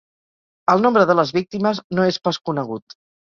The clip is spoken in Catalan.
El nombre de les víctimes no és pas conegut.